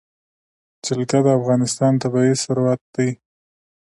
جلګه د افغانستان طبعي ثروت دی.